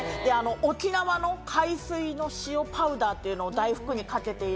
沖縄の海水の塩パウダーというのを大福にかけているので。